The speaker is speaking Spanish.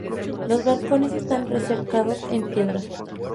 Los balcones están recercados en piedra.